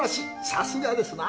さすがですな。